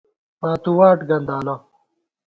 پاتُوواٹ گندالہ